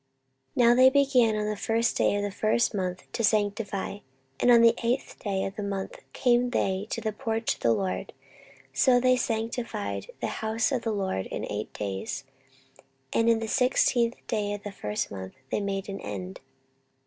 14:029:017 Now they began on the first day of the first month to sanctify, and on the eighth day of the month came they to the porch of the LORD: so they sanctified the house of the LORD in eight days; and in the sixteenth day of the first month they made an end.